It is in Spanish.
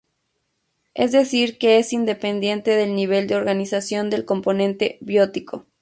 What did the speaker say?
Es decir que es independiente del nivel de organización del componente biótico.